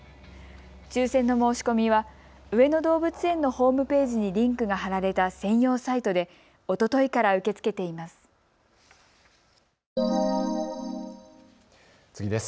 抽せんの申し込みは上野動物園のホームページにリンクが張られた専用サイトでおとといから受け付けています。